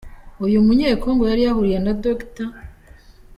Uyu munye-Congo yari yahuriye na Dr.